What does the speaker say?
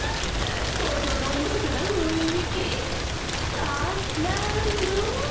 登場の厳かな雰囲気からの。